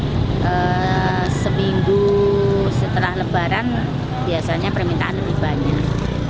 kalau pas seminggu setelah lebaran biasanya permintaan lebih banyak